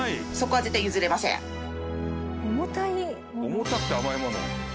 重たくて甘いもの？